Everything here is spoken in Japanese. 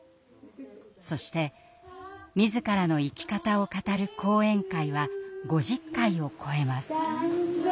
そして自らの生き方を語る講演会は５０回を超えます。